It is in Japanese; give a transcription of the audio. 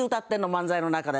漫才の中で」。